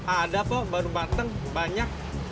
ada pok baru mateng banyak